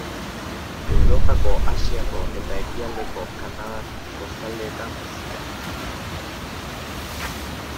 Europako, Asiako eta ekialdeko Kanadako kostaldeetan bizi da.